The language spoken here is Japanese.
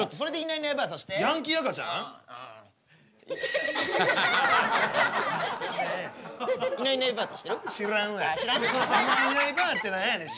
いないいないばあって何やねん。